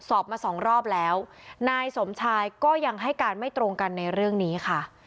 สอบมาสองรอบแล้วนายสมชายก็ยังให้การไม่ตรงกันในเรื่องนี้ค่ะ